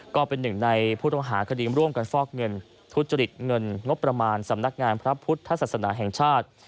ก็เป็นหนึ่งในผู้ต้องหาคดีร่วมกันฟอกเงินทุจริตเงินงบประมาณสำนักงานพระพุทธศาสนาแห่งชาติ